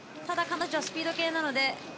ただ、彼女はスピード系なので。